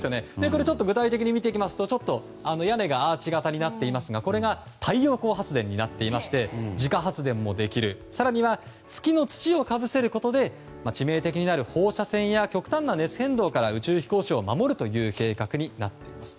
具体的に見ていきますと屋根がアーチ形になっていますがこれが太陽光発電になっていまして自家発電もできる更には月の土をかぶせることで致命的になる放射線や極端な熱変動から宇宙飛行士を守るという計画になっています。